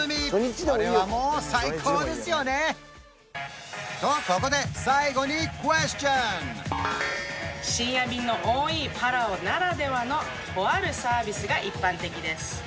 これはもう最高ですよね！とここで深夜便の多いパラオならではのとあるサービスが一般的です